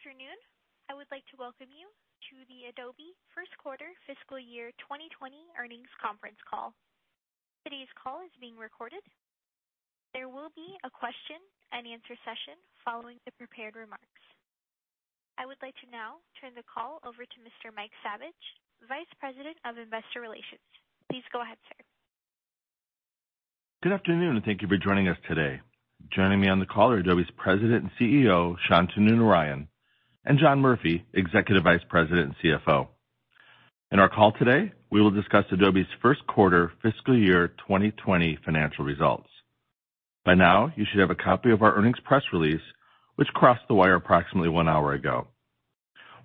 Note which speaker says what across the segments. Speaker 1: Good afternoon. I would like to welcome you to the Adobe first quarter fiscal year 2020 earnings conference call. Today's call is being recorded. There will be a question and answer session following the prepared remarks. I would like to now turn the call over to Mr. Mike Saviage, Vice President of Investor Relations. Please go ahead, sir.
Speaker 2: Good afternoon, and thank you for joining us today. Joining me on the call are Adobe's President and CEO, Shantanu Narayen, and John Murphy, Executive Vice President and CFO. In our call today, we will discuss Adobe's first quarter fiscal year 2020 financial results. By now, you should have a copy of our earnings press release, which crossed the wire approximately one hour ago.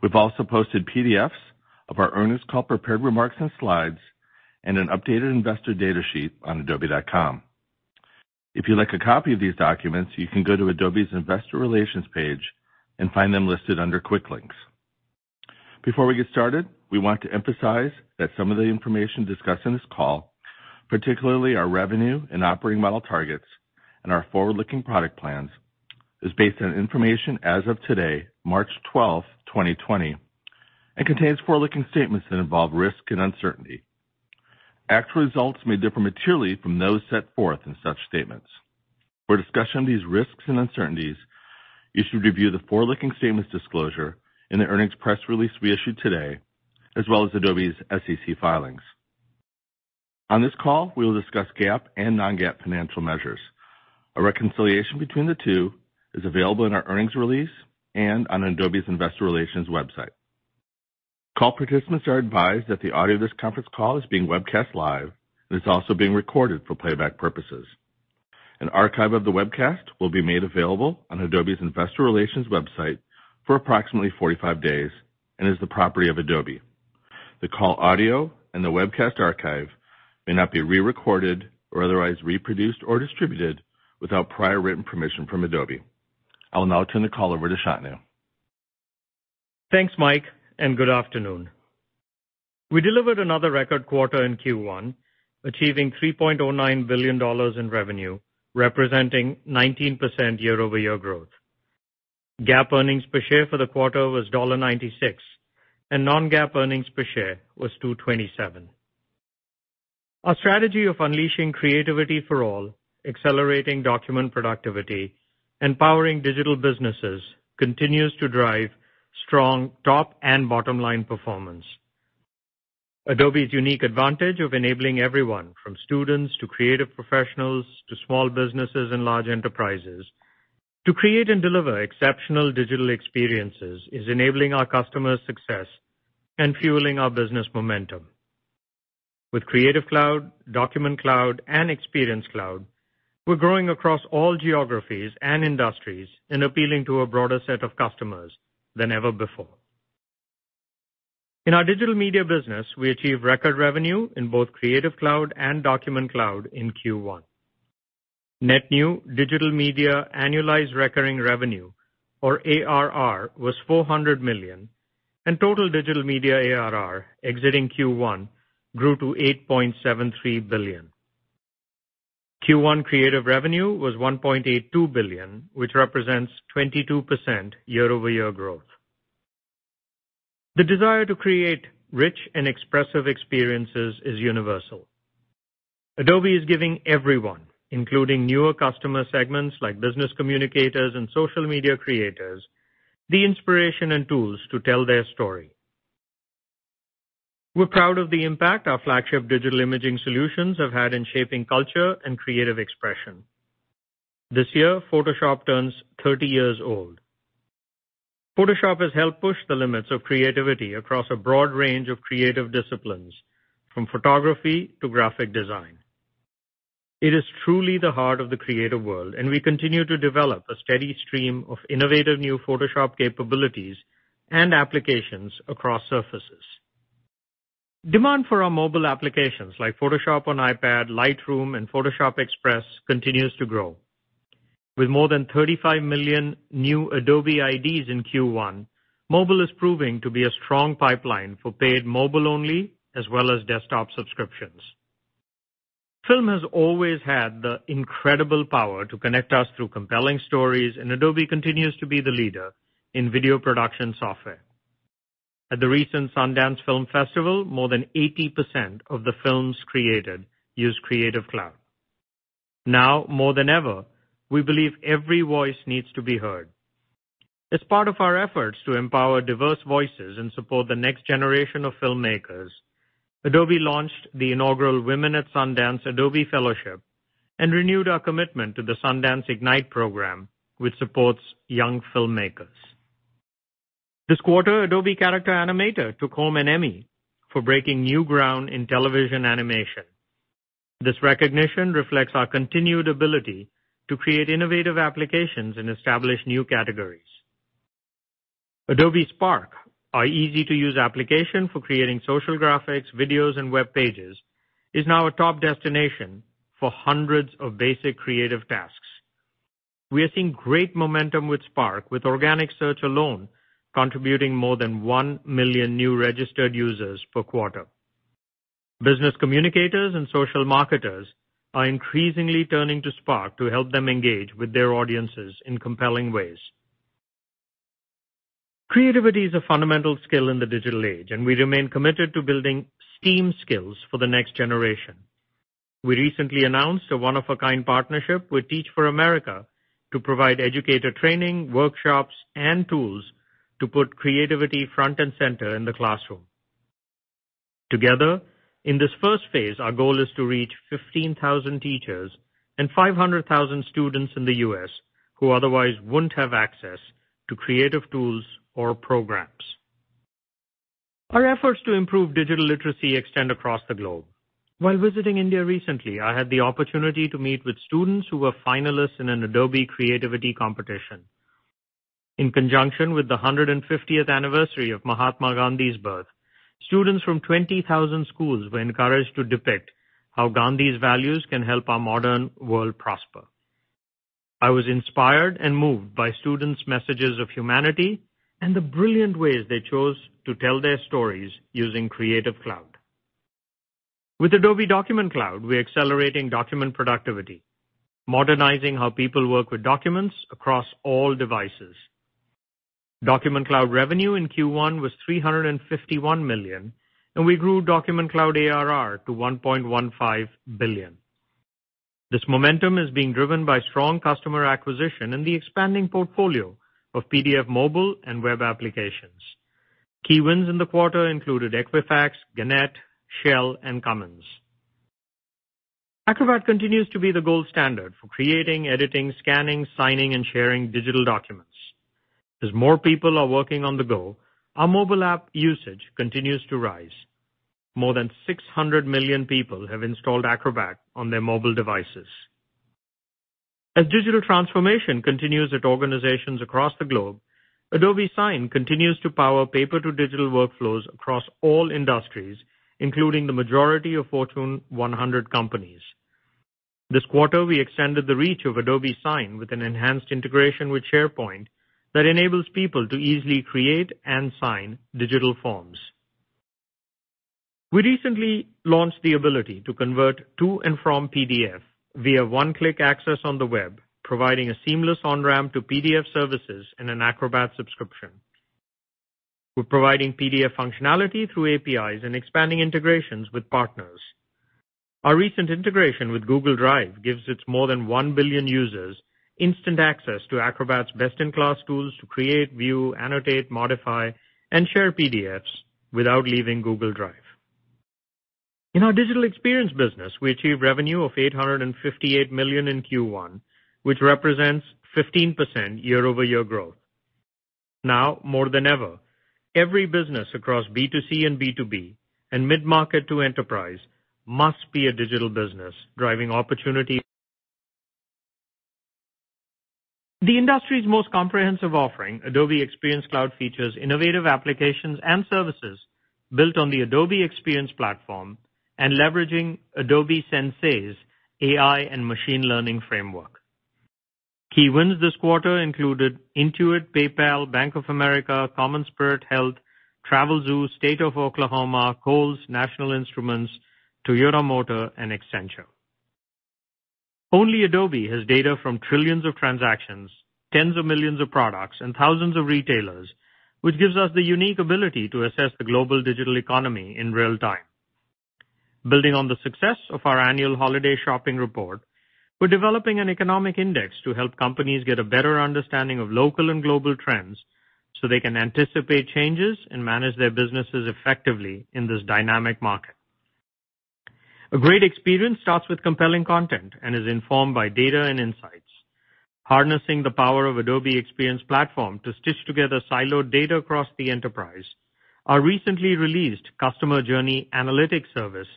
Speaker 2: We've also posted PDFs of our earnings call, prepared remarks, and slides, and an updated investor data sheet on adobe.com. If you'd like a copy of these documents, you can go to Adobe's investor relations page and find them listed under Quick Links. Before we get started, we want to emphasize that some of the information discussed on this call, particularly our revenue and operating model targets and our forward-looking product plans, is based on information as of today, March 12, 2020, and contains forward-looking statements that involve risk and uncertainty. Actual results may differ materially from those set forth in such statements. For a discussion of these risks and uncertainties, you should review the forward-looking statements disclosure in the earnings press release we issued today, as well as Adobe's SEC filings. On this call, we will discuss GAAP and non-GAAP financial measures. A reconciliation between the two is available in our earnings release and on Adobe's investor relations website. Call participants are advised that the audio of this conference call is being webcast live and is also being recorded for playback purposes. An archive of the webcast will be made available on Adobe's investor relations website for approximately 45 days and is the property of Adobe. The call audio and the webcast archive may not be re-recorded or otherwise reproduced or distributed without prior written permission from Adobe. I will now turn the call over to Shantanu.
Speaker 3: Thanks, Mike, and good afternoon. We delivered another record quarter in Q1, achieving $3.09 billion in revenue, representing 19% year-over-year growth. GAAP earnings per share for the quarter was $1.96, and non-GAAP earnings per share was $2.27. Our strategy of unleashing creativity for all, accelerating document productivity, empowering digital businesses, continues to drive strong top and bottom-line performance. Adobe's unique advantage of enabling everyone, from students to creative professionals, to small businesses and large enterprises, to create and deliver exceptional digital experiences, is enabling our customers' success and fueling our business momentum. With Creative Cloud, Document Cloud, and Experience Cloud, we're growing across all geographies and industries and appealing to a broader set of customers than ever before. In our digital media business, we achieved record revenue in both Creative Cloud and Document Cloud in Q1. Net new digital media annualized recurring revenue, or ARR, was $400 million, and total digital media ARR exiting Q1 grew to $8.73 billion. Q1 creative revenue was $1.82 billion, which represents 22% year-over-year growth. The desire to create rich and expressive experiences is universal. Adobe is giving everyone, including newer customer segments like business communicators and social media creators, the inspiration and tools to tell their story. We're proud of the impact our flagship digital imaging solutions have had in shaping culture and creative expression. This year, Photoshop turns 30 years old. Photoshop has helped push the limits of creativity across a broad range of creative disciplines, from photography to graphic design. It is truly the heart of the creative world, and we continue to develop a steady stream of innovative new Photoshop capabilities and applications across surfaces. Demand for our mobile applications, like Photoshop on iPad, Lightroom, and Photoshop Express, continues to grow. With more than 35 million new Adobe IDs in Q1, mobile is proving to be a strong pipeline for paid mobile-only as well as desktop subscriptions. Film has always had the incredible power to connect us through compelling stories. Adobe continues to be the leader in video production software. At the recent Sundance Film Festival, more than 80% of the films created used Creative Cloud. Now more than ever, we believe every voice needs to be heard. As part of our efforts to empower diverse voices and support the next generation of filmmakers, Adobe launched the inaugural Women at Sundance Adobe Fellowship and renewed our commitment to the Sundance Ignite program, which supports young filmmakers. This quarter, Adobe Character Animator took home an Emmy for breaking new ground in television animation. This recognition reflects our continued ability to create innovative applications and establish new categories. Adobe Spark, our easy-to-use application for creating social graphics, videos, and web pages, is now a top destination for hundreds of basic creative tasks. We are seeing great momentum with Spark, with organic search alone contributing more than 1 million new registered users per quarter. Business communicators and social marketers are increasingly turning to Spark to help them engage with their audiences in compelling ways. Creativity is a fundamental skill in the digital age, and we remain committed to building STEAM skills for the next generation. We recently announced a one-of-a-kind partnership with Teach for America to provide educator training, workshops, and tools to put creativity front and center in the classroom. Together, in this first phase, our goal is to reach 15,000 teachers and 500,000 students in the U.S. who otherwise wouldn't have access to creative tools or programs. Our efforts to improve digital literacy extend across the globe. While visiting India recently, I had the opportunity to meet with students who were finalists in an Adobe creativity competition. In conjunction with the 150th anniversary of Mahatma Gandhi's birth, students from 20,000 schools were encouraged to depict how Gandhi's values can help our modern world prosper. I was inspired and moved by students' messages of humanity and the brilliant ways they chose to tell their stories using Creative Cloud. With Adobe Document Cloud, we're accelerating document productivity, modernizing how people work with documents across all devices. Document Cloud revenue in Q1 was $351 million, and we grew Document Cloud ARR to $1.15 billion. This momentum is being driven by strong customer acquisition in the expanding portfolio of PDF mobile and web applications. Key wins in the quarter included Equifax, Gannett, Shell, and Cummins. Acrobat continues to be the gold standard for creating, editing, scanning, signing, and sharing digital documents. As more people are working on the go, our mobile app usage continues to rise. More than 600 million people have installed Acrobat on their mobile devices. As digital transformation continues at organizations across the globe, Adobe Sign continues to power paper to digital workflows across all industries, including the majority of Fortune 100 companies. This quarter, we extended the reach of Adobe Sign with an enhanced integration with SharePoint that enables people to easily create and sign digital forms. We recently launched the ability to convert to and from PDF via one-click access on the web, providing a seamless on-ramp to PDF services in an Acrobat subscription. We're providing PDF functionality through APIs and expanding integrations with partners. Our recent integration with Google Drive gives its more than 1 billion users instant access to Acrobat's best-in-class tools to create, view, annotate, modify, and share PDFs without leaving Google Drive. In our digital experience business, we achieved revenue of $858 million in Q1, which represents 15% year-over-year growth. Now more than ever, every business across B2C and B2B and mid-market to enterprise must be a digital business, driving opportunity. The industry's most comprehensive offering, Adobe Experience Cloud, features innovative applications and services built on the Adobe Experience Platform and leveraging Adobe Sensei's AI and machine learning framework. Key wins this quarter included Intuit, PayPal, Bank of America, CommonSpirit Health, Travelzoo, State of Oklahoma, Kohl's, National Instruments, Toyota Motor, and Accenture. Only Adobe has data from trillions of transactions, tens of millions of products, and thousands of retailers, which gives us the unique ability to assess the global digital economy in real time. Building on the success of our annual holiday shopping report, we're developing an economic index to help companies get a better understanding of local and global trends so they can anticipate changes and manage their businesses effectively in this dynamic market. A great experience starts with compelling content and is informed by data and insights. Harnessing the power of Adobe Experience Platform to stitch together siloed data across the enterprise, our recently released Customer Journey Analytics service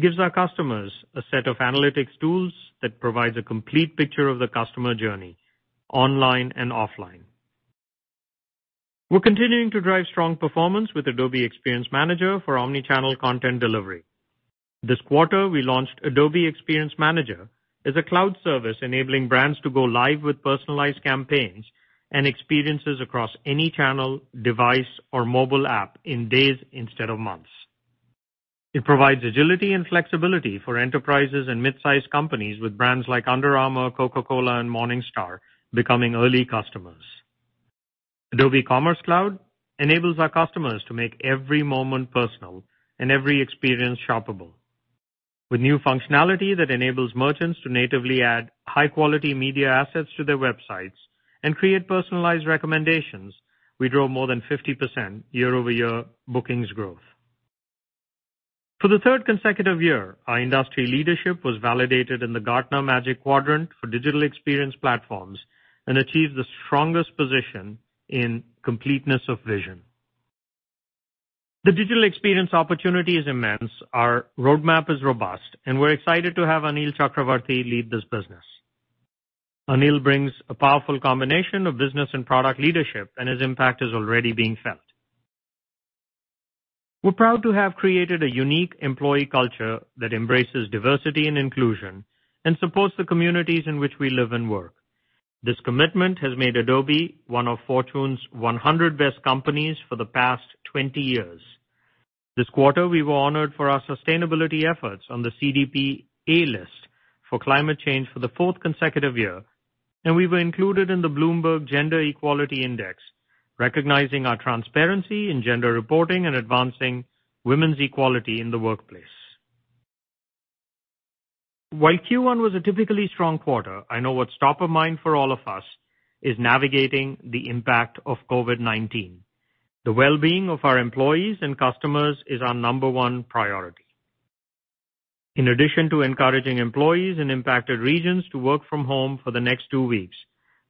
Speaker 3: gives our customers a set of analytics tools that provides a complete picture of the customer journey online and offline. We're continuing to drive strong performance with Adobe Experience Manager for omni-channel content delivery. This quarter, we launched Adobe Experience Manager as a Cloud Service enabling brands to go live with personalized campaigns and experiences across any channel, device, or mobile app in days instead of months. It provides agility and flexibility for enterprises and mid-sized companies with brands like Under Armour, Coca-Cola, and Morningstar becoming early customers. Adobe Commerce Cloud enables our customers to make every moment personal and every experience shoppable. With new functionality that enables merchants to natively add high-quality media assets to their websites and create personalized recommendations, we drove more than 50% year-over-year bookings growth. For the third consecutive year, our industry leadership was validated in the Gartner Magic Quadrant for digital experience platforms and achieved the strongest position in completeness of vision. The digital experience opportunity is immense. Our roadmap is robust, and we're excited to have Anil Chakravarthy lead this business. Anil brings a powerful combination of business and product leadership, and his impact is already being felt. We're proud to have created a unique employee culture that embraces diversity and inclusion and supports the communities in which we live and work. This commitment has made Adobe one of Fortune's 100 Best Companies for the past 20 years. This quarter, we were honored for our sustainability efforts on the CDP A List for climate change for the fourth consecutive year. We were included in the Bloomberg Gender-Equality Index, recognizing our transparency in gender reporting and advancing women's equality in the workplace. While Q1 was a typically strong quarter, I know what's top of mind for all of us is navigating the impact of COVID-19. The well-being of our employees and customers is our number one priority. In addition to encouraging employees in impacted regions to work from home for the next two weeks,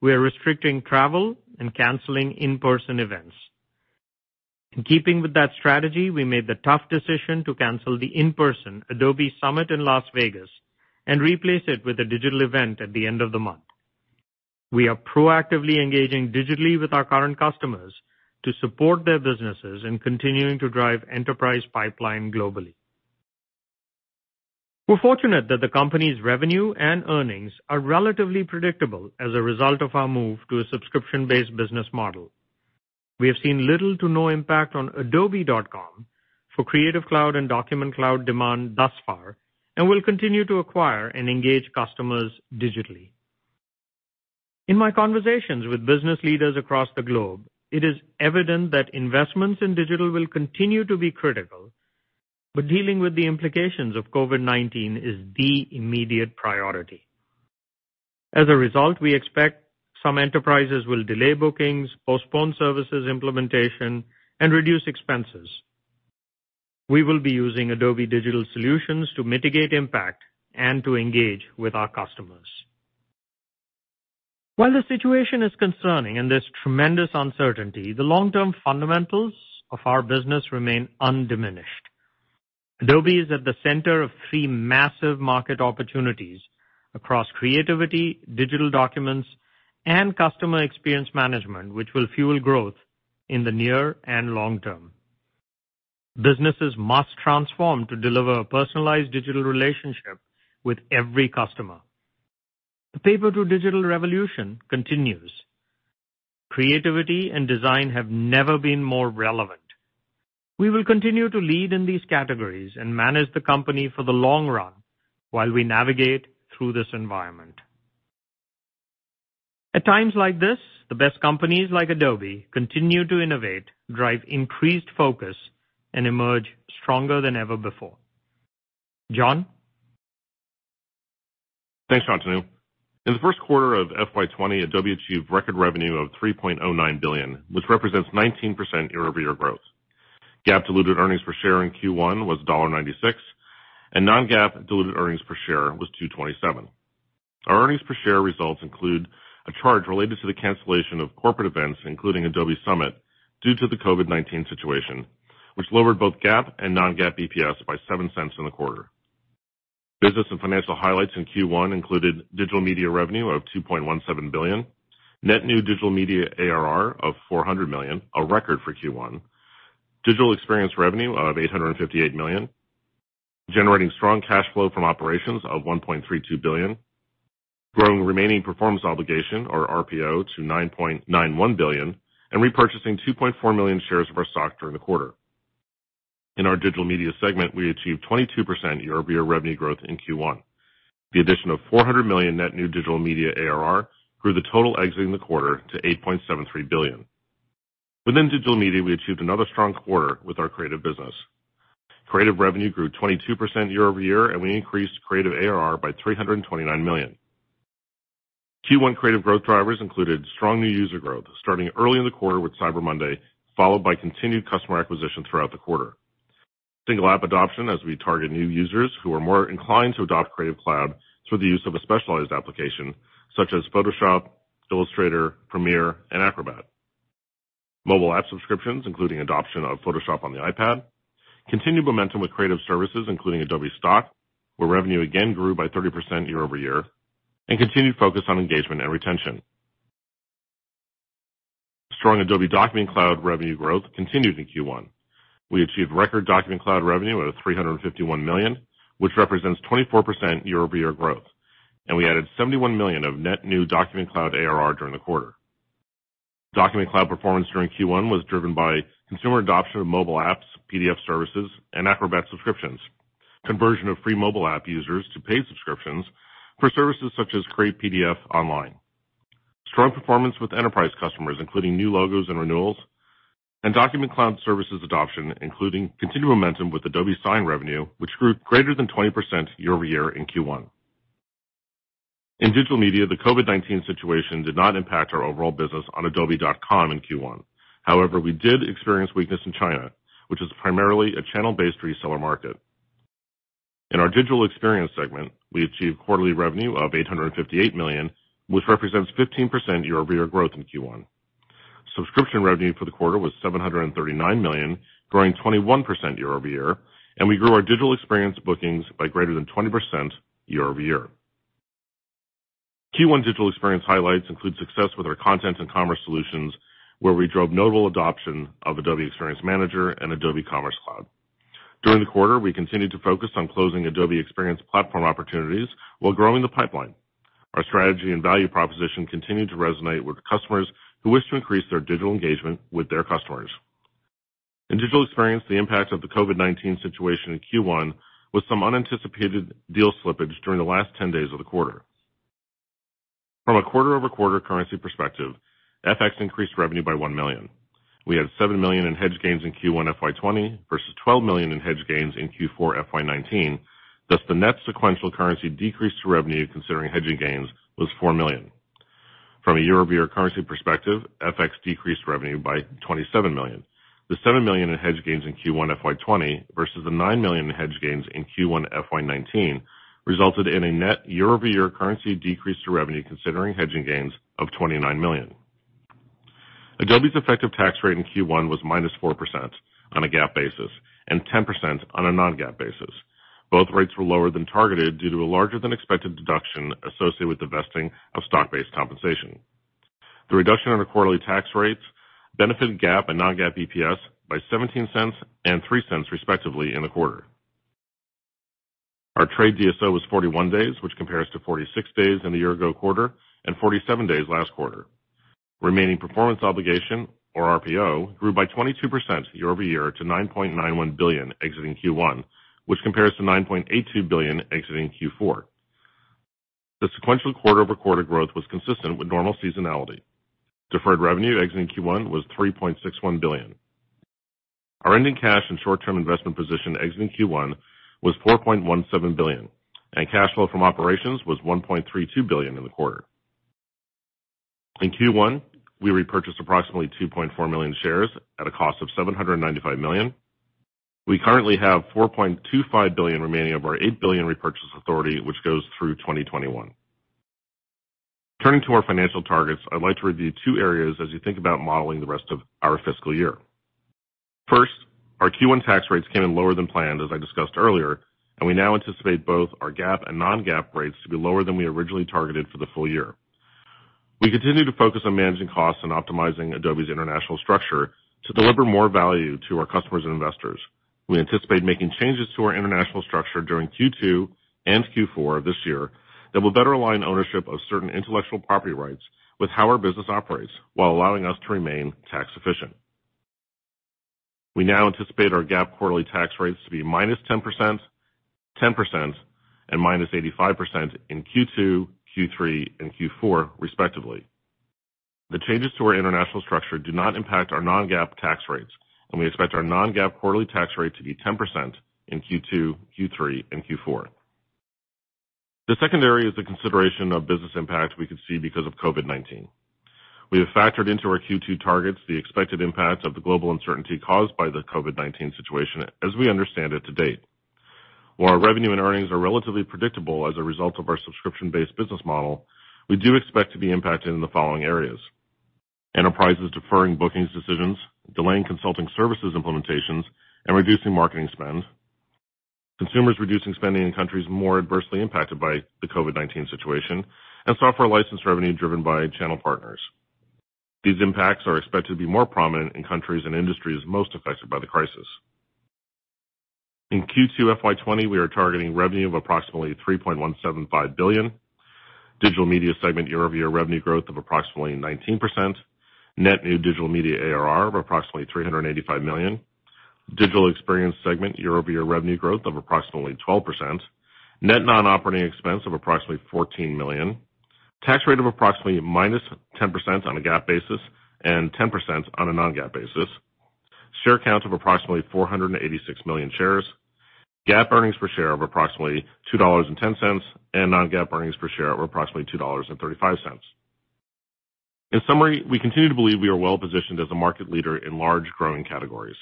Speaker 3: we are restricting travel and canceling in-person events. In keeping with that strategy, we made the tough decision to cancel the in-person Adobe Summit in Las Vegas and replace it with a digital event at the end of the month. We are proactively engaging digitally with our current customers to support their businesses in continuing to drive enterprise pipeline globally. We're fortunate that the company's revenue and earnings are relatively predictable as a result of our move to a subscription-based business model. We have seen little to no impact on adobe.com for Creative Cloud and Document Cloud demand thus far and will continue to acquire and engage customers digitally. In my conversations with business leaders across the globe, it is evident that investments in digital will continue to be critical, but dealing with the implications of COVID-19 is the immediate priority. As a result, we expect some enterprises will delay bookings, postpone services implementation, and reduce expenses. We will be using Adobe digital solutions to mitigate impact and to engage with our customers. While the situation is concerning and there's tremendous uncertainty, the long-term fundamentals of our business remain undiminished. Adobe is at the center of three massive market opportunities across creativity, digital documents, and customer experience management, which will fuel growth in the near and long term. Businesses must transform to deliver a personalized digital relationship with every customer. The paper to digital revolution continues. Creativity and design have never been more relevant. We will continue to lead in these categories and manage the company for the long run while we navigate through this environment. At times like this, the best companies, like Adobe, continue to innovate, drive increased focus, and emerge stronger than ever before. John?
Speaker 4: Thanks, Shantanu. In the first quarter of FY 2020, Adobe achieved record revenue of $3.09 billion, which represents 19% year-over-year growth. GAAP diluted earnings per share in Q1 was $1.96, and non-GAAP diluted earnings per share was $2.27. Our earnings per share results include a charge related to the cancellation of corporate events, including Adobe Summit due to the COVID-19 situation, which lowered both GAAP and non-GAAP EPS by $0.07 in the quarter. Business and financial highlights in Q1 included digital media revenue of $2.17 billion, net new digital media ARR of $400 million, a record for Q1, digital experience revenue of $858 million, generating strong cash flow from operations of $1.32 billion, growing remaining performance obligation, or RPO, to $9.91 billion, and repurchasing 2.4 million shares of our stock during the quarter. In our digital media segment, we achieved 22% year-over-year revenue growth in Q1. The addition of $400 million net new Digital Media ARR grew the total exiting the quarter to $8.73 billion. Within Digital Media, we achieved another strong quarter with our Creative business. Creative revenue grew 22% year-over-year, and we increased Creative ARR by $329 million. Q1 Creative growth drivers included strong new user growth, starting early in the quarter with Cyber Monday, followed by continued customer acquisition throughout the quarter. Single app adoption as we target new users who are more inclined to adopt Creative Cloud through the use of a specialized application such as Photoshop, Illustrator, Premiere, and Acrobat. Mobile app subscriptions, including adoption of Photoshop on iPad. Continued momentum with creative services, including Adobe Stock, where revenue again grew by 30% year-over-year, and continued focus on engagement and retention. Strong Adobe Document Cloud revenue growth continued in Q1. We achieved record Document Cloud revenue of $351 million, which represents 24% year-over-year growth, and we added $71 million of net new Document Cloud ARR during the quarter. Document Cloud performance during Q1 was driven by consumer adoption of mobile apps, PDF services, and Acrobat subscriptions, conversion of free mobile app users to paid subscriptions for services such as Create PDF Online. Strong performance with enterprise customers, including new logos and renewals, and Document Cloud services adoption, including continued momentum with Adobe Sign revenue, which grew greater than 20% year-over-year in Q1. In Digital Media, the COVID-19 situation did not impact our overall business on adobe.com in Q1. We did experience weakness in China, which is primarily a channel-based reseller market. In our Digital Experience segment, we achieved quarterly revenue of $858 million, which represents 15% year-over-year growth in Q1. Subscription revenue for the quarter was $739 million, growing 21% year-over-year, and we grew our digital experience bookings by greater than 20% year-over-year. Q1 digital experience highlights include success with our content and commerce solutions, where we drove notable adoption of Adobe Experience Manager and Adobe Commerce Cloud. During the quarter, we continued to focus on closing Adobe Experience Platform opportunities while growing the pipeline. Our strategy and value proposition continued to resonate with customers who wish to increase their digital engagement with their customers. In digital experience, the impact of the COVID-19 situation in Q1 was some unanticipated deal slippage during the last 10 days of the quarter. From a quarter-over-quarter currency perspective, FX increased revenue by $1 million. We had $7 million in hedge gains in Q1 FY 2020, versus $12 million in hedge gains in Q4 FY 2019, thus the net sequential currency decrease to revenue considering hedging gains was $4 million. From a year-over-year currency perspective, FX decreased revenue by $27 million. The $7 million in hedge gains in Q1 FY 2020 versus the $9 million in hedge gains in Q1 FY 2019 resulted in a net year-over-year currency decrease to revenue considering hedging gains of $29 million. Adobe's effective tax rate in Q1 was -4% on a GAAP basis and 10% on a non-GAAP basis. Both rates were lower than targeted due to a larger-than-expected deduction associated with the vesting of stock-based compensation. The reduction in the quarterly tax rates benefited GAAP and non-GAAP EPS by $0.17 and $0.03, respectively, in the quarter. Our trade DSO was 41 days, which compares to 46 days in the year-ago quarter and 47 days last quarter. Remaining performance obligation, or RPO, grew by 22% year-over-year to $9.91 billion exiting Q1, which compares to $9.82 billion exiting Q4. The sequential quarter-over-quarter growth was consistent with normal seasonality. Deferred revenue exiting Q1 was $3.61 billion. Our ending cash and short-term investment position exiting Q1 was $4.17 billion, and cash flow from operations was $1.32 billion in the quarter. In Q1, we repurchased approximately 2.4 million shares at a cost of $795 million. We currently have $4.25 billion remaining of our $8 billion repurchase authority, which goes through 2021. Turning to our financial targets, I'd like to review two areas as you think about modeling the rest of our fiscal year. Our Q1 tax rates came in lower than planned, as I discussed earlier, and we now anticipate both our GAAP and non-GAAP rates to be lower than we originally targeted for the full year. We continue to focus on managing costs and optimizing Adobe's international structure to deliver more value to our customers and investors. We anticipate making changes to our international structure during Q2 and Q4 this year that will better align ownership of certain intellectual property rights with how our business operates while allowing us to remain tax efficient. We now anticipate our GAAP quarterly tax rates to be -10%, 10% and -85% in Q2, Q3 and Q4, respectively. The changes to our international structure do not impact our non-GAAP tax rates, and we expect our non-GAAP quarterly tax rate to be 10% in Q2, Q3 and Q4. The second area is the consideration of business impact we could see because of COVID-19. We have factored into our Q2 targets the expected impacts of the global uncertainty caused by the COVID-19 situation as we understand it to date. While our revenue and earnings are relatively predictable as a result of our subscription-based business model, we do expect to be impacted in the following areas. Enterprises deferring bookings decisions, delaying consulting services implementations, and reducing marketing spend, consumers reducing spending in countries more adversely impacted by the COVID-19 situation, and software license revenue driven by channel partners. These impacts are expected to be more prominent in countries and industries most affected by the crisis. In Q2 FY 2020, we are targeting revenue of approximately $3.175 billion, Digital Media segment year-over-year revenue growth of approximately 19%, net new Digital Media ARR of approximately $385 million, Digital Experience segment year-over-year revenue growth of approximately 12%, net non-operating expense of approximately $14 million, tax rate of approximately -10% on a GAAP basis and 10% on a non-GAAP basis, share count of approximately 486 million shares, GAAP earnings per share of approximately $2.10, and non-GAAP earnings per share of approximately $2.35. In summary, we continue to believe we are well-positioned as a market leader in large, growing categories.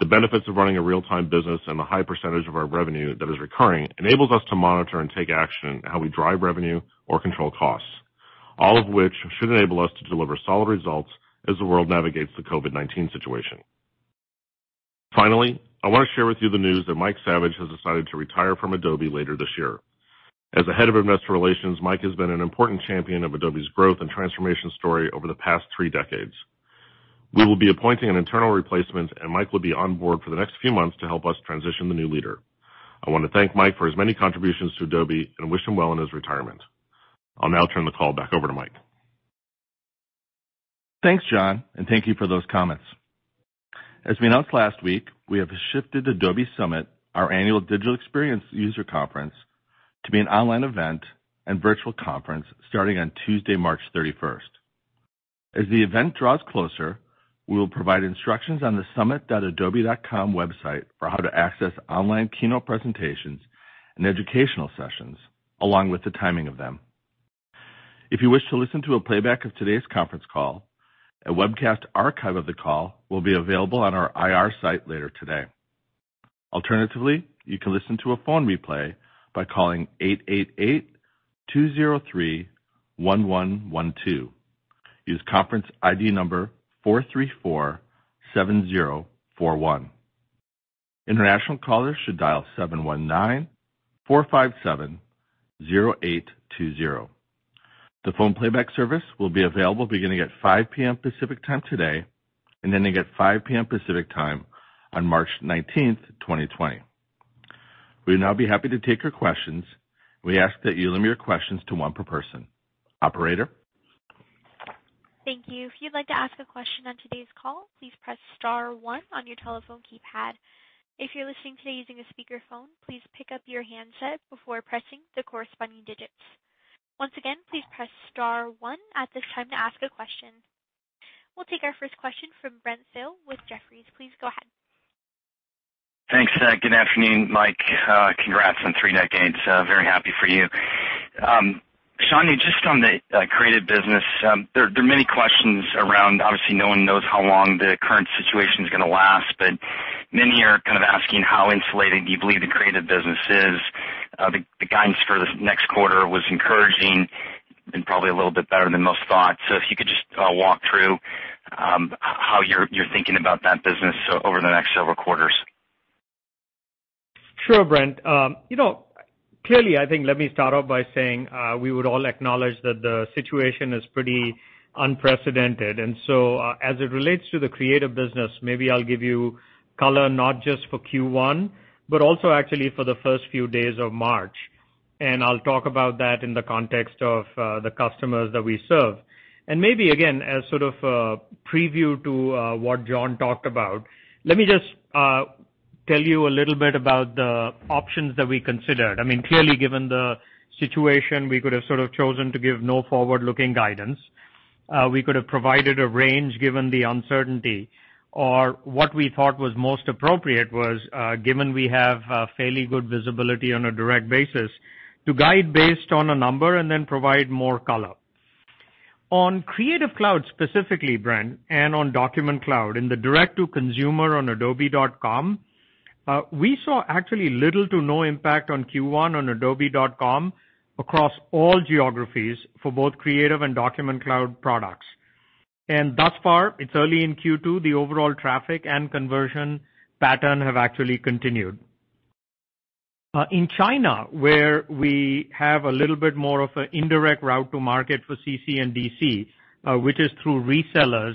Speaker 4: The benefits of running a real-time business and the high percentage of our revenue that is recurring enables us to monitor and take action in how we drive revenue or control costs. All of which should enable us to deliver solid results as the world navigates the COVID-19 situation. Finally, I want to share with you the news that Mike Saviage has decided to retire from Adobe later this year. As the head of investor relations, Mike has been an important champion of Adobe's growth and transformation story over the past three decades. We will be appointing an internal replacement, and Mike will be on board for the next few months to help us transition the new leader. I want to thank Mike for his many contributions to Adobe and wish him well in his retirement. I'll now turn the call back over to Mike.
Speaker 2: Thanks, John, and thank you for those comments. As we announced last week, we have shifted Adobe Summit, our annual digital experience user conference, to be an online event and virtual conference starting on Tuesday, March 31st. As the event draws closer, we will provide instructions on the summit.adobe.com website for how to access online keynote presentations and educational sessions, along with the timing of them. If you wish to listen to a playback of today's conference call, a webcast archive of the call will be available on our IR site later today. Alternatively, you can listen to a phone replay by calling 888-203-1112. Use conference ID number 4347041. International callers should dial 719-457-0820. The phone playback service will be available beginning at 5:00 P.M. Pacific Time today, and then again at 5:00 P.M. Pacific Time on March 19th, 2020. We will now be happy to take your questions. We ask that you limit your questions to one per person. Operator?
Speaker 1: Thank you. If you'd like to ask a question on today's call, please press star one on your telephone keypad. If you're listening today using a speakerphone, please pick up your handset before pressing the corresponding digits. Once again, please press star one at this time to ask a question. We'll take our first question from Brent Thill with Jefferies. Please go ahead.
Speaker 5: Thanks. Good afternoon, Mike. Congrats on three decades. Very happy for you. Shantanu, just on the creative business, there are many questions around, obviously, no one knows how long the current situation is going to last, but many are kind of asking how insulated do you believe the creative business is? The guidance for this next quarter was encouraging and probably a little bit better than most thought. If you could just walk through how you're thinking about that business over the next several quarters.
Speaker 3: Sure, Brent. Clearly, I think let me start off by saying we would all acknowledge that the situation is pretty unprecedented. As it relates to the creative business, maybe I'll give you color not just for Q1, but also actually for the first few days of March, and I'll talk about that in the context of the customers that we serve. Maybe again, as sort of a preview to what John talked about, let me just tell you a little bit about the options that we considered. Clearly, given the situation, we could have sort of chosen to give no forward-looking guidance. We could have provided a range given the uncertainty, or what we thought was most appropriate was, given we have fairly good visibility on a direct basis, to guide based on a number and then provide more color. On Creative Cloud specifically, Brent, and on Document Cloud in the direct to consumer on adobe.com, we saw actually little to no impact on Q1 on adobe.com across all geographies for both Creative and Document Cloud products. Thus far, it's early in Q2, the overall traffic and conversion pattern have actually continued. In China, where we have a little bit more of an indirect route to market for CC and DC, which is through resellers,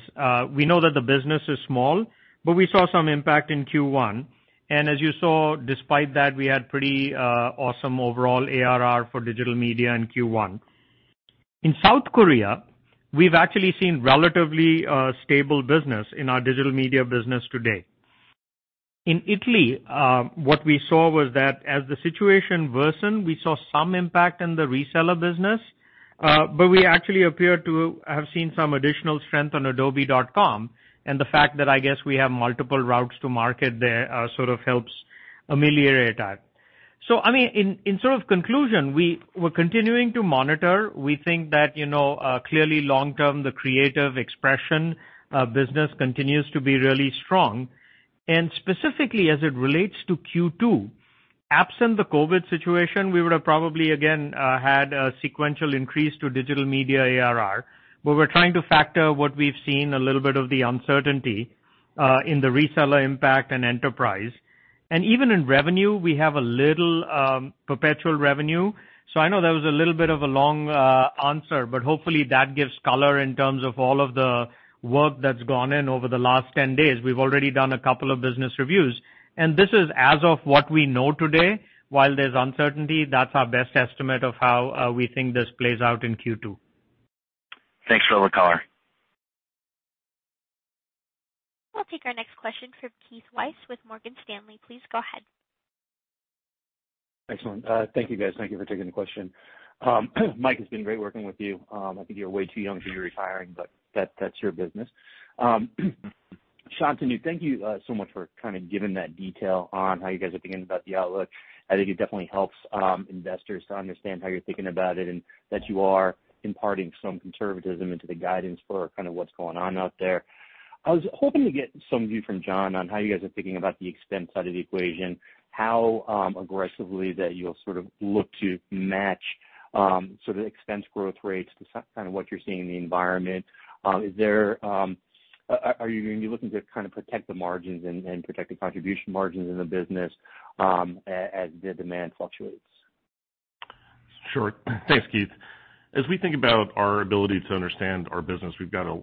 Speaker 3: we know that the business is small, but we saw some impact in Q1. As you saw, despite that, we had pretty awesome overall ARR for digital media in Q1. In South Korea, we've actually seen relatively stable business in our digital media business today. In Italy, what we saw was that as the situation worsened, we saw some impact in the reseller business, but we actually appear to have seen some additional strength on adobe.com, and the fact that I guess we have multiple routes to market there sort of helps ameliorate that. In sort of conclusion, we're continuing to monitor. We think that clearly long-term, the creative expression business continues to be really strong. Specifically, as it relates to Q2, absent the COVID-19 situation, we would have probably again had a sequential increase to digital media ARR, but we're trying to factor what we've seen a little bit of the uncertainty in the reseller impact and enterprise. Even in revenue, we have a little perpetual revenue. I know that was a little bit of a long answer, but hopefully that gives color in terms of all of the work that's gone in over the last 10 days. We've already done a couple of business reviews, and this is as of what we know today. While there's uncertainty, that's our best estimate of how we think this plays out in Q2.
Speaker 5: Thanks for all the color.
Speaker 1: We'll take our next question from Keith Weiss with Morgan Stanley. Please go ahead.
Speaker 6: Excellent. Thank you, guys. Thank you for taking the question. Mike, it's been great working with you. I think you're way too young to be retiring, but that's your business. Shantanu, thank you so much for kind of giving that detail on how you guys are thinking about the outlook. I think it definitely helps investors to understand how you're thinking about it and that you are imparting some conservatism into the guidance for kind of what's going on out there. I was hoping to get some view from John on how you guys are thinking about the expense side of the equation, how aggressively that you'll sort of look to match sort of the expense growth rates to kind of what you're seeing in the environment. Are you going to be looking to kind of protect the margins and protect the contribution margins in the business as the demand fluctuates?
Speaker 4: Sure. Thanks, Keith. As we think about our ability to understand our business, we've got a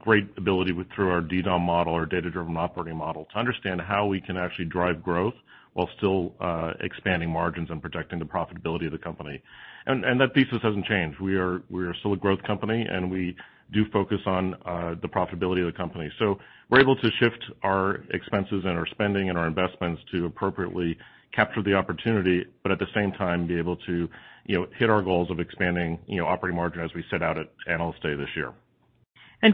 Speaker 4: great ability through our DDOM model, our data-driven operating model, to understand how we can actually drive growth while still expanding margins and protecting the profitability of the company. That thesis hasn't changed. We are still a growth company, and we do focus on the profitability of the company. We're able to shift our expenses and our spending and our investments to appropriately capture the opportunity, but at the same time be able to hit our goals of expanding operating margin as we set out at Analyst Day this year.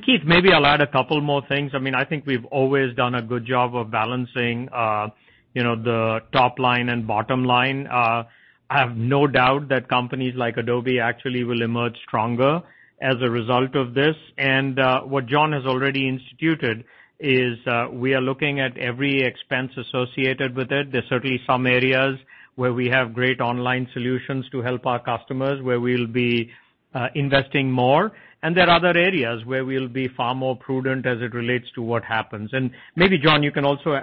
Speaker 3: Keith, maybe I'll add a couple more things. I think we've always done a good job of balancing the top line and bottom line. I have no doubt that companies like Adobe actually will emerge stronger as a result of this. What John has already instituted is we are looking at every expense associated with it. There's certainly some areas where we have great online solutions to help our customers where we'll be investing more. There are other areas where we'll be far more prudent as it relates to what happens. Maybe John, you can also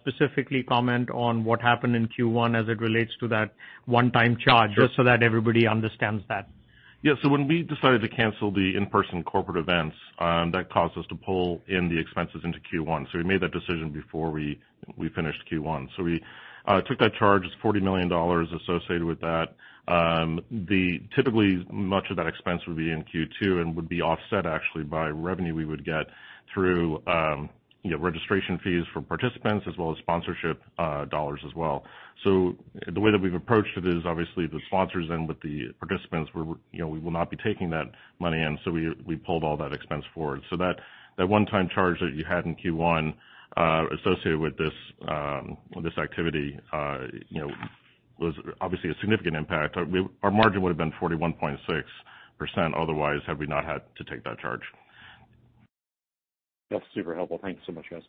Speaker 3: specifically comment on what happened in Q1 as it relates to that one-time charge.
Speaker 4: Sure
Speaker 3: just so that everybody understands that.
Speaker 4: Yeah. When we decided to cancel the in-person corporate events, that caused us to pull in the expenses into Q1. We made that decision before we finished Q1. We took that charge. It's $40 million associated with that. Typically, much of that expense would be in Q2 and would be offset actually by revenue we would get through registration fees from participants as well as sponsorship dollars as well. The way that we've approached it is obviously with the sponsors and with the participants, we will not be taking that money in, so we pulled all that expense forward. That one-time charge that you had in Q1 associated with this activity was obviously a significant impact. Our margin would've been 41.6% otherwise, had we not had to take that charge.
Speaker 6: That's super helpful. Thank you so much, guys.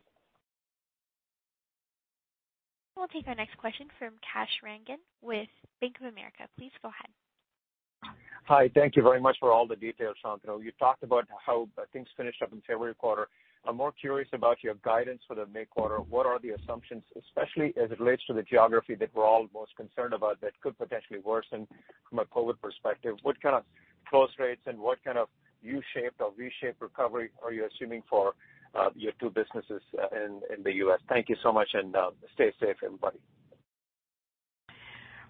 Speaker 1: We'll take our next question from Kash Rangan with Bank of America. Please go ahead.
Speaker 7: Hi. Thank you very much for all the details, Shantanu. You talked about how things finished up in the February quarter. I'm more curious about your guidance for the May quarter. What are the assumptions, especially as it relates to the geography that we're all most concerned about that could potentially worsen from a COVID perspective? What kind of close rates and what kind of U-shaped or V-shaped recovery are you assuming for your two businesses in the U.S.? Thank you so much, and stay safe, everybody.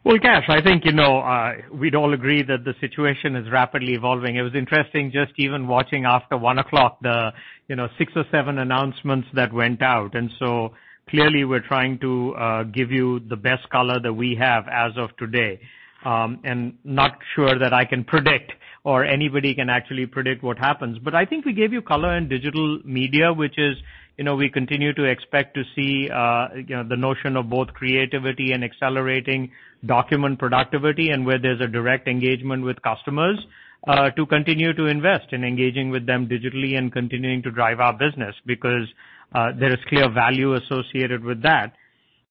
Speaker 3: Well, Kash, I think we'd all agree that the situation is rapidly evolving. It was interesting just even watching after 1:00 P.M., the six or seven announcements that went out. Clearly, we're trying to give you the best color that we have as of today. Not sure that I can predict or anybody can actually predict what happens. I think we gave you color in digital media, which is we continue to expect to see the notion of both creativity and accelerating document productivity and where there's a direct engagement with customers, to continue to invest in engaging with them digitally and continuing to drive our business, because there is clear value associated with that.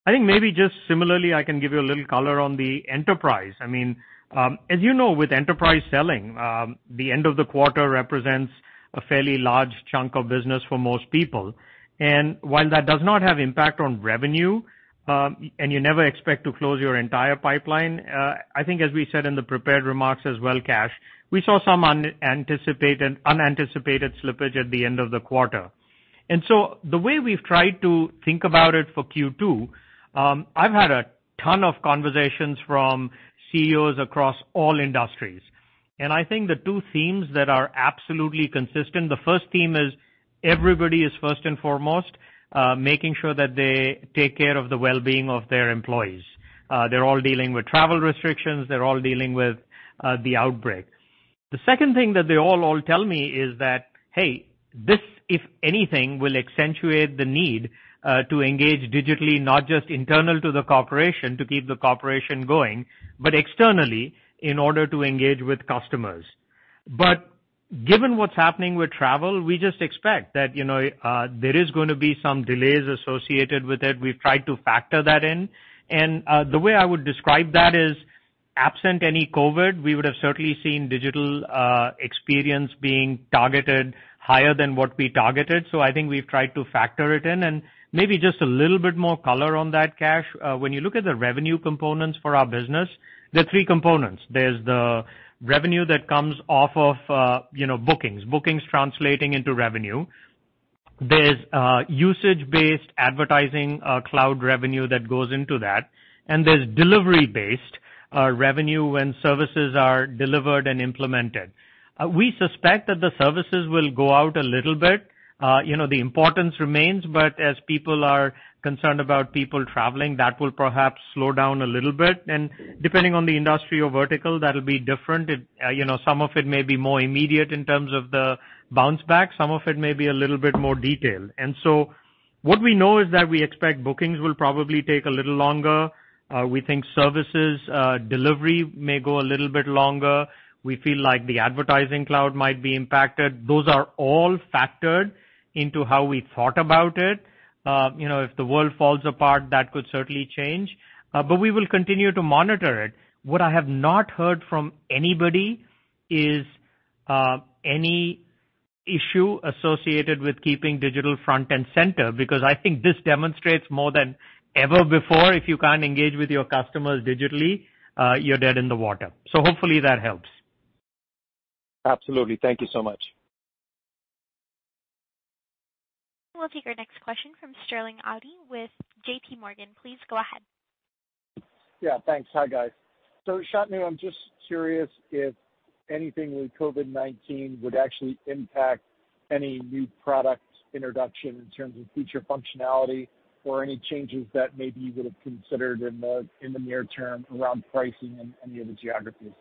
Speaker 3: I think maybe just similarly, I can give you a little color on the enterprise. As you know, with enterprise selling, the end of the quarter represents a fairly large chunk of business for most people. While that does not have impact on revenue, and you never expect to close your entire pipeline, I think as we said in the prepared remarks as well, Kash, we saw some unanticipated slippage at the end of the quarter. The way we've tried to think about it for Q2, I've had a ton of conversations from CEOs across all industries, and I think the two themes that are absolutely consistent, the first theme is everybody is first and foremost making sure that they take care of the well-being of their employees. They're all dealing with travel restrictions. They're all dealing with the outbreak. The second thing that they all tell me is that, hey, this, if anything, will accentuate the need to engage digitally, not just internal to the corporation to keep the corporation going, but externally in order to engage with customers. Given what's happening with travel, we just expect that there is going to be some delays associated with it. We've tried to factor that in, and the way I would describe that is, absent any COVID-19, we would have certainly seen Digital Experience being targeted higher than what we targeted. I think we've tried to factor it in, and maybe just a little bit more color on that, Kash. When you look at the revenue components for our business, there are three components. There's the revenue that comes off of bookings translating into revenue. There's usage-based Advertising Cloud revenue that goes into that, and there's delivery-based revenue when services are delivered and implemented. We suspect that the services will go out a little bit. The importance remains, but as people are concerned about people traveling, that will perhaps slow down a little bit. Depending on the industry or vertical, that'll be different. Some of it may be more immediate in terms of the bounce back, some of it may be a little bit more detailed. What we know is that we expect bookings will probably take a little longer. We think services delivery may go a little bit longer. We feel like the Advertising Cloud might be impacted. Those are all factored into how we thought about it. If the world falls apart, that could certainly change. We will continue to monitor it. What I have not heard from anybody is any issue associated with keeping digital front and center, because I think this demonstrates more than ever before, if you can't engage with your customers digitally, you're dead in the water. Hopefully that helps.
Speaker 7: Absolutely. Thank you so much.
Speaker 1: We'll take our next question from Sterling Auty with JPMorgan. Please go ahead.
Speaker 8: Yeah, thanks. Hi, guys. Shantanu, I'm just curious if anything with COVID-19 would actually impact any new product introduction in terms of future functionality or any changes that maybe you would have considered in the near term around pricing in any of the geographies.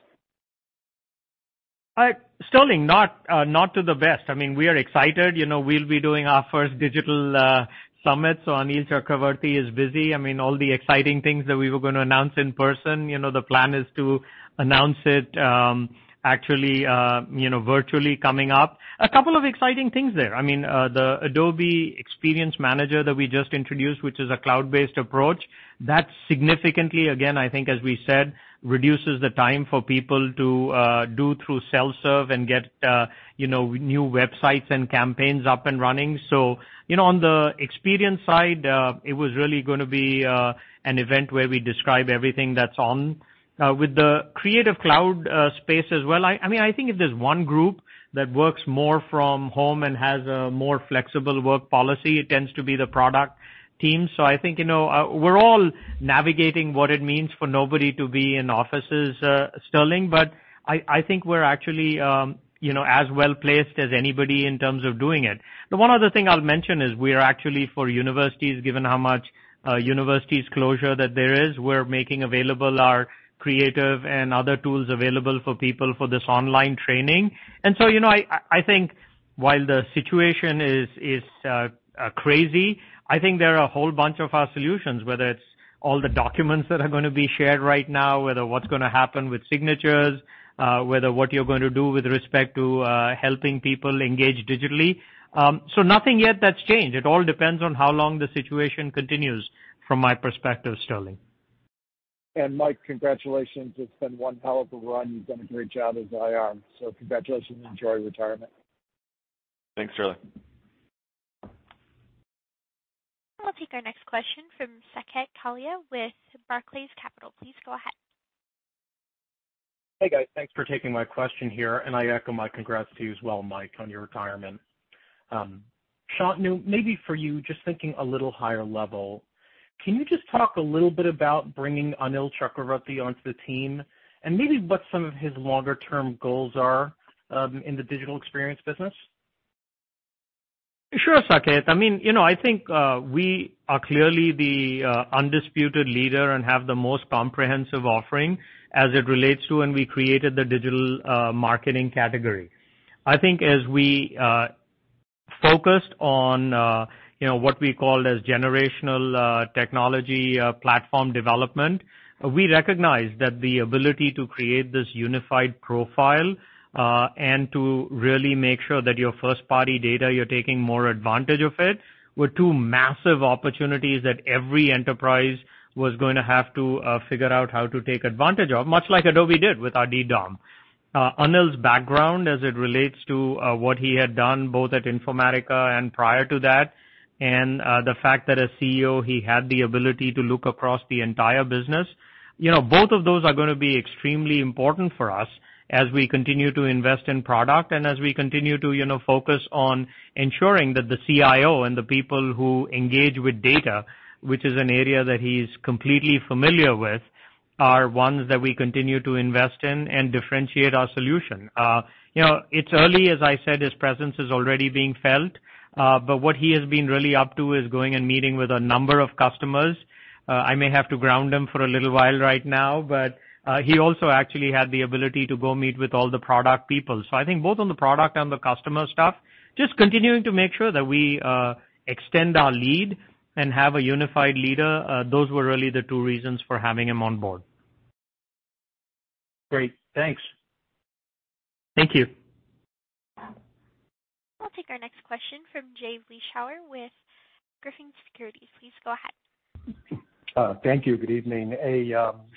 Speaker 3: Sterling Auty, not to the best. We are excited. We'll be doing our first digital Summit. Anil Chakravarthy is busy. All the exciting things that we were going to announce in person, the plan is to announce it virtually coming up. A couple of exciting things there. The Adobe Experience Manager that we just introduced, which is a cloud-based approach, that significantly, again, I think as we said, reduces the time for people to do through self-serve and get new websites and campaigns up and running. On the experience side, it was really going to be an event where we describe everything that's on. With the Creative Cloud space as well, I think if there's one group that works more from home and has a more flexible work policy, it tends to be the product team. I think, we're all navigating what it means for nobody to be in offices, Sterling, I think we're actually as well-placed as anybody in terms of doing it. The one other thing I'll mention is we are actually for universities, given how much universities closure that there is, we're making available our creative and other tools available for people for this online training. I think while the situation is crazy, I think there are a whole bunch of our solutions, whether it's all the documents that are going to be shared right now, whether what's going to happen with signatures, whether what you're going to do with respect to helping people engage digitally. Nothing yet that's changed. It all depends on how long the situation continues from my perspective, Sterling.
Speaker 8: Mike, congratulations. It's been one hell of a run. You've done a great job as IR. Congratulations and enjoy retirement.
Speaker 2: Thanks, Sterling.
Speaker 1: We'll take our next question from Saket Kalia with Barclays Capital. Please go ahead.
Speaker 9: Hey, guys. Thanks for taking my question here, and I echo my congrats to you as well, Mike, on your retirement. Shantanu, maybe for you, just thinking a little higher level, can you just talk a little bit about bringing Anil Chakravarthy onto the team and maybe what some of his longer-term goals are in the Digital Experience Business?
Speaker 3: Sure, Saket. I think we are clearly the undisputed leader and have the most comprehensive offering as it relates to when we created the digital marketing category. I think as we focused on what we call as generational technology platform development, we recognized that the ability to create this unified profile, and to really make sure that your first-party data, you're taking more advantage of it, were two massive opportunities that every enterprise was going to have to figure out how to take advantage of, much like Adobe did with our DDOM. Anil's background as it relates to what he had done both at Informatica and prior to that, and the fact that as CEO, he had the ability to look across the entire business. Both of those are going to be extremely important for us as we continue to invest in product and as we continue to focus on ensuring that the CIO and the people who engage with data, which is an area that he's completely familiar with, are ones that we continue to invest in and differentiate our solution. It's early, as I said, his presence is already being felt. What he has been really up to is going and meeting with a number of customers. I may have to ground him for a little while right now, but he also actually had the ability to go meet with all the product people. I think both on the product and the customer stuff, just continuing to make sure that we extend our lead and have a unified leader. Those were really the two reasons for having him on board.
Speaker 9: Great. Thanks.
Speaker 3: Thank you.
Speaker 1: I'll take our next question from Jay Vleeschhouwer with Griffin Securities. Please go ahead.
Speaker 10: Thank you. Good evening. A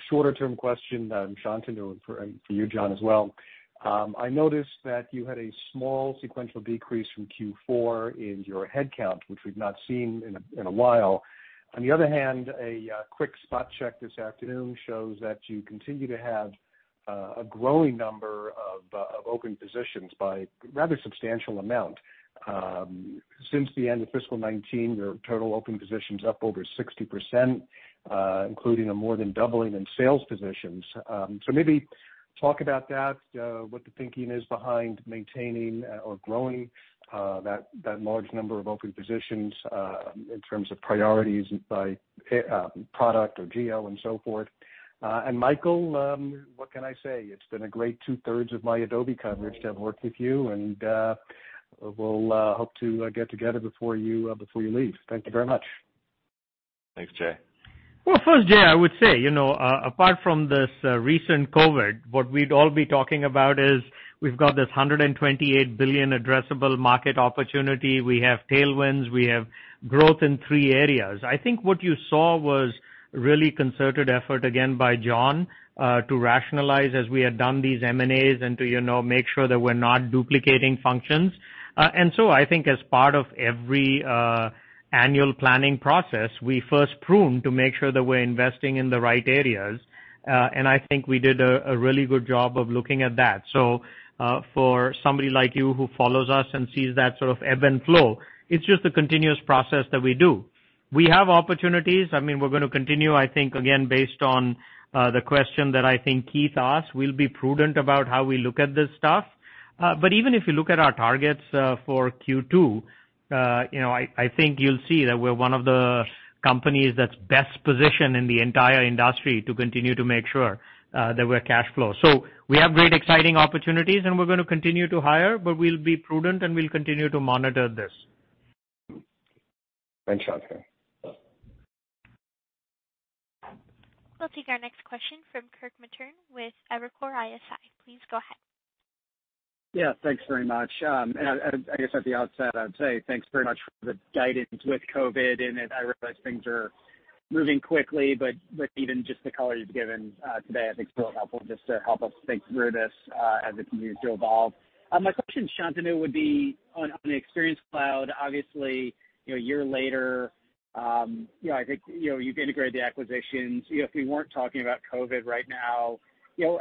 Speaker 10: shorter-term question, Shantanu, and for you, John, as well. I noticed that you had a small sequential decrease from Q4 in your headcount, which we've not seen in a while. On the other hand, a quick spot check this afternoon shows that you continue to have a growing number of open positions by a rather substantial amount. Since the end of fiscal 2019, your total open positions up over 60%, including a more than doubling in sales positions. Maybe talk about that, what the thinking is behind maintaining or growing that large number of open positions, in terms of priorities by product or G&A and so forth. Mike, what can I say? It's been a great two-thirds of my Adobe coverage to have worked with you, and we'll hope to get together before you leave. Thank you very much.
Speaker 2: Thanks, Jay.
Speaker 3: First, Jay, I would say, apart from this recent COVID, what we'd all be talking about is we've got this $128 billion addressable market opportunity. We have tailwinds, we have growth in three areas. I think what you saw was really concerted effort, again, by John, to rationalize as we had done these M&As and to make sure that we're not duplicating functions. I think as part of every annual planning process, we first prune to make sure that we're investing in the right areas. I think we did a really good job of looking at that. For somebody like you who follows us and sees that sort of ebb and flow, it's just a continuous process that we do. We have opportunities. We're going to continue, I think, again, based on the question that I think Keith asked, we'll be prudent about how we look at this stuff. Even if you look at our targets for Q2, I think you'll see that we're one of the companies that's best positioned in the entire industry to continue to make sure that we're cash flow. We have great exciting opportunities, and we're going to continue to hire, but we'll be prudent, and we'll continue to monitor this. Shantanu.
Speaker 1: We'll take our next question from Kirk Materne with Evercore ISI. Please go ahead.
Speaker 11: Yeah, thanks very much. I guess at the outset, I'd say thanks very much for the guidance with COVID-19. I realize things are moving quickly, even just the color you've given today I think is still helpful just to help us think through this as it continues to evolve. My question, Shantanu, would be on Adobe Experience Cloud. Obviously, a year later, I think you've integrated the acquisitions. If we weren't talking about COVID-19 right now,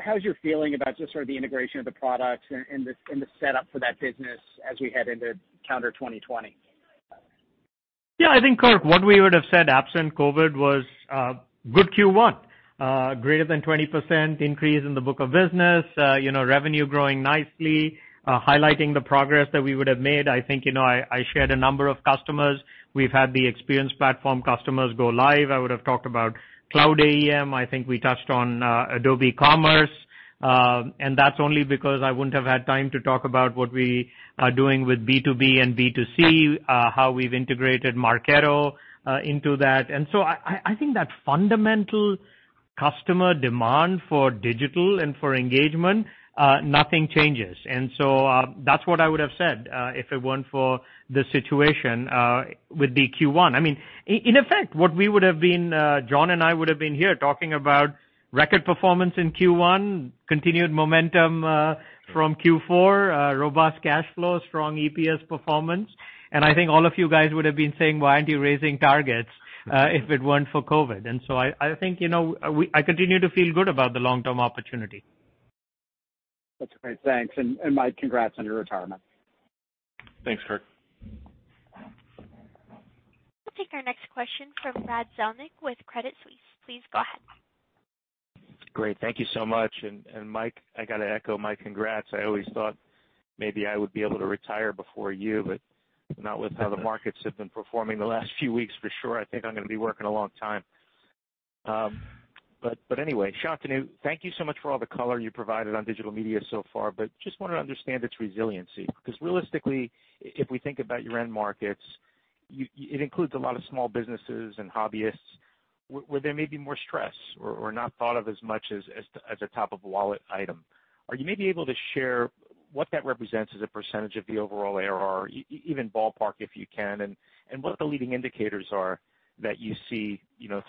Speaker 11: how's your feeling about just sort of the integration of the products and the setup for that business as we head into calendar 2020?
Speaker 3: Yeah, I think, Kirk, what we would have said absent COVID was good Q1. Greater than 20% increase in the book of business, revenue growing nicely, highlighting the progress that we would have made. I think I shared a number of customers. We've had the Adobe Experience Platform customers go live. I would have talked about Cloud AEM. I think we touched on Adobe Commerce. That's only because I wouldn't have had time to talk about what we are doing with B2B and B2C, how we've integrated Marketo into that. I think that fundamental customer demand for digital and for engagement, nothing changes. That's what I would have said, if it weren't for the situation with the Q1. In effect, John and I would have been here talking about record performance in Q1, continued momentum from Q4, robust cash flow, strong EPS performance. I think all of you guys would have been saying, "Why aren't you raising targets?" if it weren't for COVID. I think I continue to feel good about the long-term opportunity.
Speaker 11: That's great. Thanks. Mike, congrats on your retirement.
Speaker 2: Thanks, Kirk.
Speaker 1: We'll take our next question from Brad Zelnick with Credit Suisse. Please go ahead.
Speaker 12: Great. Thank you so much. Mike, I got to echo my congrats. I always thought maybe I would be able to retire before you, not with how the markets have been performing the last few weeks for sure. I think I'm going to be working a long time. Anyway, Shantanu, thank you so much for all the color you provided on digital media so far, just want to understand its resiliency. Realistically, if we think about your end markets, it includes a lot of small businesses and hobbyists where there may be more stress or not thought of as much as a top-of-the-wallet item. Are you maybe able to share what that represents as a percentage of the overall ARR, even ballpark, if you can, and what the leading indicators are that you see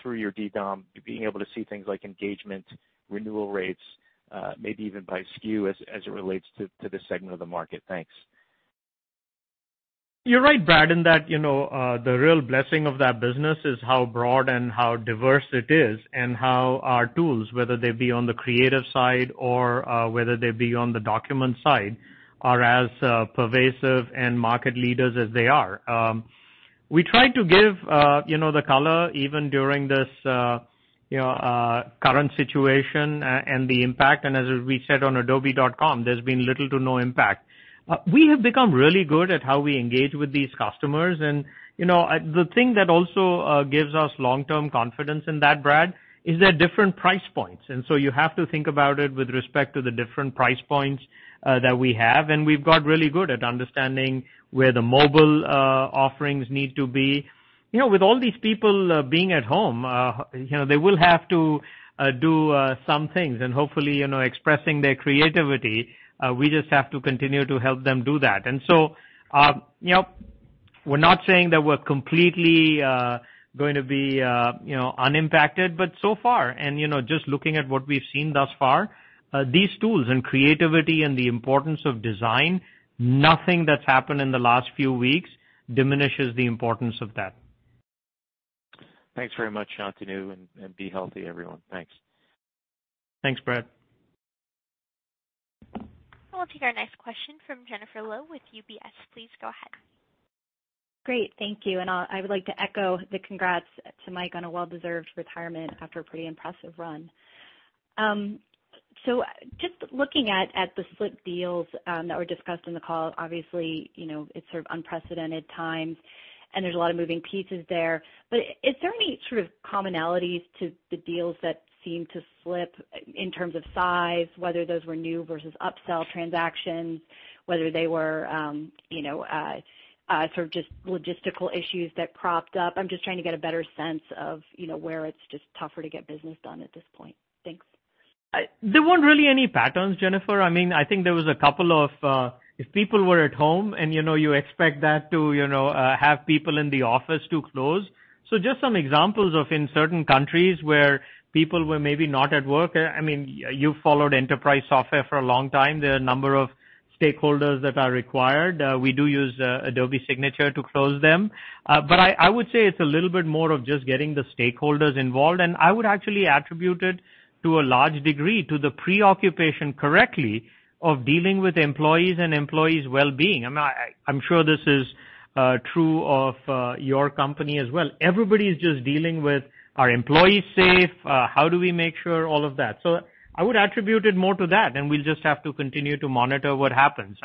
Speaker 12: through your DDOM to being able to see things like engagement, renewal rates, maybe even by SKU as it relates to this segment of the market? Thanks.
Speaker 3: You're right, Brad, in that the real blessing of that business is how broad and how diverse it is, and how our tools, whether they be on the creative side or whether they be on the document side, are as pervasive and market leaders as they are. We try to give the color even during this current situation and the impact, as we said on adobe.com, there's been little to no impact. We have become really good at how we engage with these customers. The thing that also gives us long-term confidence in that, Brad, is their different price points. You have to think about it with respect to the different price points that we have. We've got really good at understanding where the mobile offerings need to be. With all these people being at home, they will have to do some things and hopefully expressing their creativity. We just have to continue to help them do that. We're not saying that we're completely going to be unimpacted, but so far, and just looking at what we've seen thus far, these tools and creativity and the importance of design, nothing that's happened in the last few weeks diminishes the importance of that.
Speaker 12: Thanks very much, Shantanu, and be healthy, everyone. Thanks.
Speaker 2: Thanks, Brad.
Speaker 1: I'll take our next question from Jennifer Lowe with UBS. Please go ahead.
Speaker 13: Great. Thank you. I would like to echo the congrats to Mike on a well-deserved retirement after a pretty impressive run. Just looking at the slipped deals that were discussed in the call, obviously, it's sort of unprecedented times, and there's a lot of moving pieces there. Is there any sort of commonalities to the deals that seem to slip in terms of size, whether those were new versus upsell transactions, whether they were sort of just logistical issues that propped up? I'm just trying to get a better sense of where it's just tougher to get business done at this point. Thanks.
Speaker 3: There weren't really any patterns, Jennifer. I think there was a couple of if people were at home, and you expect that to have people in the office to close. Just some examples of in certain countries where people were maybe not at work. You've followed enterprise software for a long time. There are a number of stakeholders that are required. We do use Adobe Sign to close them. I would say it's a little bit more of just getting the stakeholders involved. I would actually attribute it to a large degree to the preoccupation correctly of dealing with employees and employees' well-being. I'm sure this is true of your company as well. Everybody's just dealing with are employees safe? How do we make sure all of that? I would attribute it more to that, and we'll just have to continue to monitor what happens.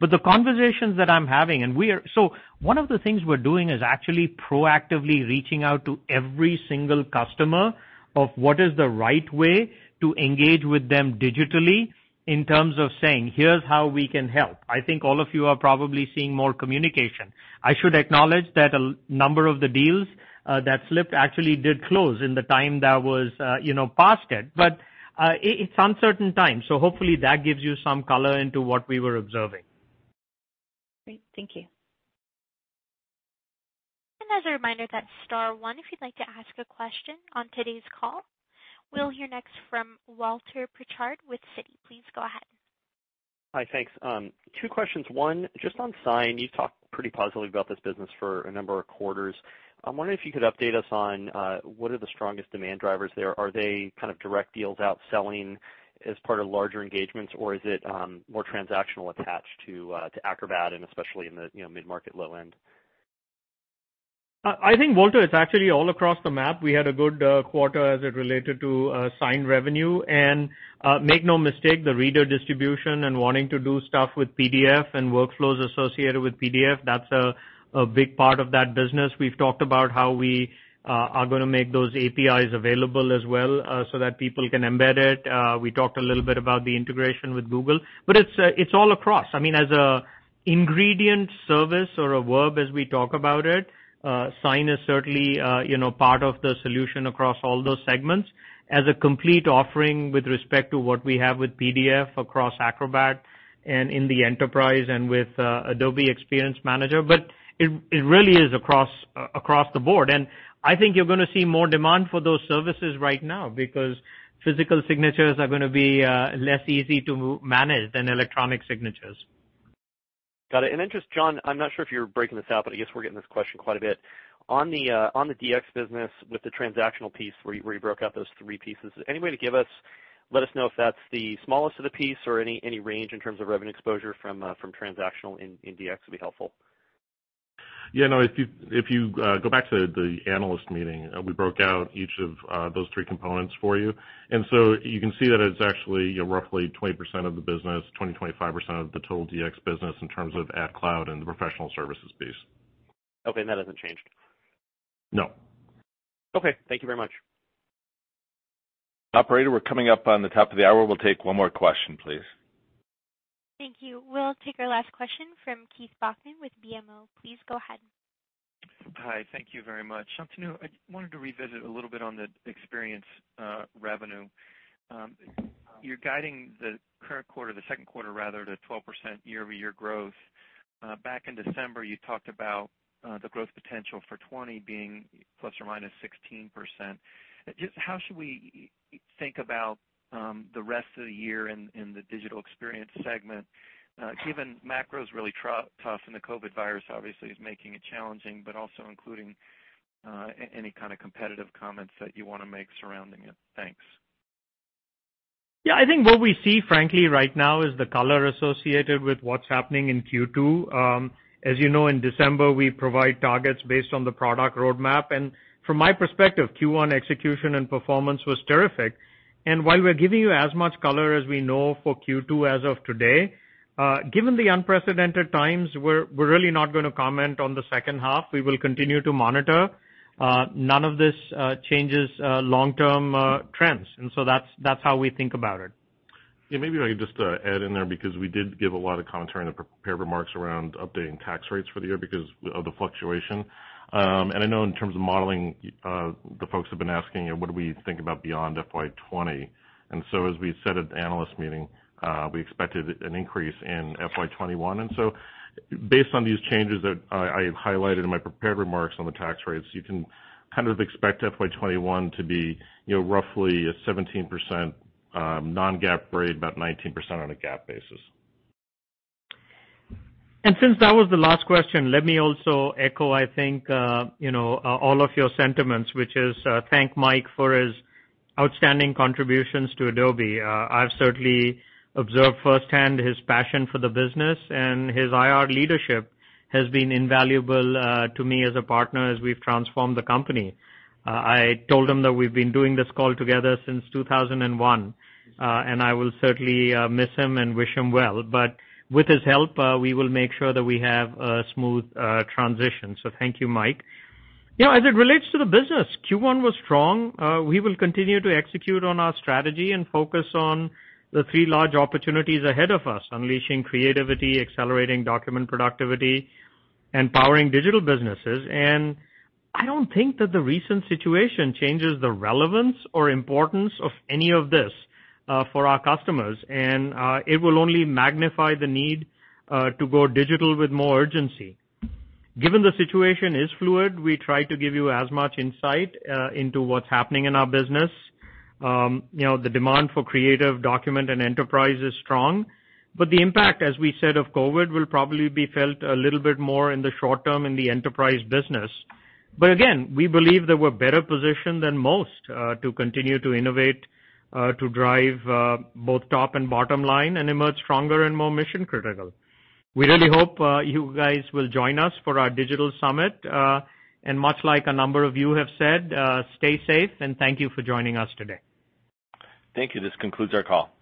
Speaker 3: The conversations that I'm having, so one of the things we're doing is actually proactively reaching out to every single customer of what is the right way to engage with them digitally in terms of saying, "Here's how we can help." I think all of you are probably seeing more communication. I should acknowledge that a number of the deals that slipped actually did close in the time that was past it. It's uncertain times, so hopefully that gives you some color into what we were observing.
Speaker 13: Great. Thank you.
Speaker 1: As a reminder, that's star one if you'd like to ask a question on today's call. We'll hear next from Walter Pritchard with Citi. Please go ahead.
Speaker 14: Hi, thanks. Two questions. One, just on Sign. You've talked pretty positively about this business for a number of quarters. I'm wondering if you could update us on what are the strongest demand drivers there. Are they kind of direct deals out selling as part of larger engagements, or is it more transactional attached to Acrobat and especially in the mid-market low-end?
Speaker 3: I think, Walter, it's actually all across the map. We had a good quarter as it related to Sign revenue. Make no mistake, the reader distribution and wanting to do stuff with PDF and workflows associated with PDF, that's a big part of that business. We've talked about how we are going to make those APIs available as well so that people can embed it. We talked a little bit about the integration with Google. It's all across. As an ingredient service or a verb as we talk about it, Sign is certainly part of the solution across all those segments as a complete offering with respect to what we have with PDF across Acrobat and in the enterprise and with Adobe Experience Manager. It really is across the board. I think you're going to see more demand for those services right now because physical signatures are going to be less easy to manage than electronic signatures.
Speaker 14: Got it. Then just, John, I'm not sure if you're breaking this out, but I guess we're getting this question quite a bit. On the DX business with the transactional piece where you broke out those three pieces, any way to let us know if that's the smallest of the piece or any range in terms of revenue exposure from transactional in DX would be helpful.
Speaker 4: Yeah, no. If you go back to the analyst meeting, we broke out each of those three components for you. You can see that it's actually roughly 20% of the business, 20%-25% of the total DX business in terms of Ad Cloud and the professional services piece.
Speaker 14: Okay, that hasn't changed?
Speaker 4: No.
Speaker 14: Okay. Thank you very much.
Speaker 2: Operator, we're coming up on the top of the hour. We'll take one more question, please.
Speaker 1: Thank you. We'll take our last question from Keith Bachman with BMO. Please go ahead.
Speaker 15: Hi. Thank you very much. Shantanu, I wanted to revisit a little bit on the Experience revenue. You're guiding the current quarter, the second quarter rather, to 12% year-over-year growth. Back in December, you talked about the growth potential for 2020 being ±16%. How should we think about the rest of the year in the Digital Experience segment, given macro's really tough and the COVID virus obviously is making it challenging, but also including any kind of competitive comments that you want to make surrounding it? Thanks.
Speaker 3: Yeah, I think what we see frankly right now is the color associated with what's happening in Q2. As you know, in December, we provide targets based on the product roadmap. From my perspective, Q1 execution and performance was terrific. While we're giving you as much color as we know for Q2 as of today, given the unprecedented times, we're really not going to comment on the second half. We will continue to monitor. None of this changes long-term trends, and so that's how we think about it.
Speaker 4: Yeah, maybe if I could just add in there, because we did give a lot of commentary in the prepared remarks around updating tax rates for the year because of the fluctuation. I know in terms of modeling, the folks have been asking what do we think about beyond FY 2020. As we said at the analyst meeting, we expected an increase in FY 2021. Based on these changes that I have highlighted in my prepared remarks on the tax rates, you can kind of expect FY 2021 to be roughly a 17% non-GAAP rate, about 19% on a GAAP basis.
Speaker 3: Since that was the last question, let me also echo, I think, all of your sentiments, which is thank Mike for his outstanding contributions to Adobe. I've certainly observed firsthand his passion for the business, and his IR leadership has been invaluable to me as a partner as we've transformed the company. I told him that we've been doing this call together since 2001. I will certainly miss him and wish him well. With his help, we will make sure that we have a smooth transition. Thank you, Mike. As it relates to the business, Q1 was strong. We will continue to execute on our strategy and focus on the three large opportunities ahead of us, unleashing creativity, accelerating document productivity, and powering digital businesses. I don't think that the recent situation changes the relevance or importance of any of this for our customers, and it will only magnify the need to go digital with more urgency. Given the situation is fluid, we try to give you as much insight into what's happening in our business. The demand for Creative, Document, and Enterprise is strong, but the impact, as we said, of COVID-19 will probably be felt a little bit more in the short term in the Enterprise business. Again, we believe that we're better positioned than most to continue to innovate, to drive both top and bottom line, and emerge stronger and more mission-critical. We really hope you guys will join us for our digital Summit. Much like a number of you have said, stay safe, and thank you for joining us today.
Speaker 2: Thank you. This concludes our call.